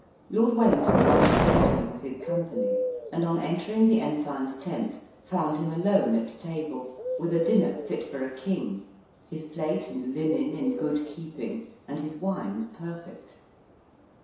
Lord Wellington once honoured him with his company; and on entering the ensign's tent, found him alone at table, with a dinner fit for a king, his plate and linen in good keeping, and his wines perfect.